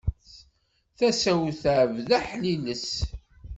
Tasa-w tɛebbed aḥliles.